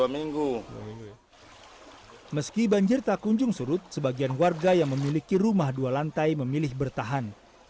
meski banjir tak kunjung surut sebagian warga yang memiliki rumah dua lantai memilih bertahan